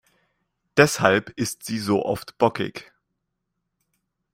Deshalb ist sie so oft bockig.